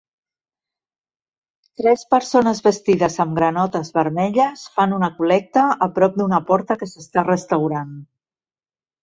Tres persones vestides amb granotes vermelles fan una col·lecta a prop d'una porta que s'està restaurant